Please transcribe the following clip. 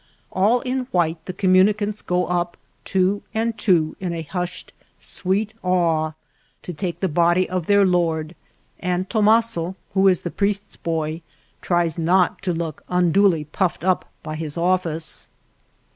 All in white the communicants go up two and two in a hushed, sweet awe to take the body of their Lord, and Tomaso, who is priest's boy, tries not to look unduly puffed up by his office.